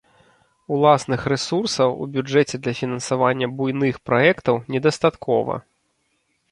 Уласных рэсурсаў у бюджэце для фінансавання буйных праектаў недастаткова.